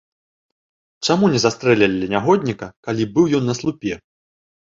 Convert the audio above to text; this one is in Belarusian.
Чаму не застрэлілі нягодніка, калі быў ён на слупе?